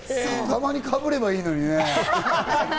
たまにかぶればいいのにね。